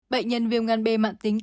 bệnh nhân viêm gan b mạng tính cân